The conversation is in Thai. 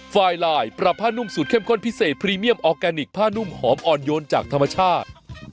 ไม่รู้ต้องลงไปเอาในโบสถ์ดีกว่านะครับ